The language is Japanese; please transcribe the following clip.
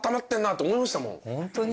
ホントに？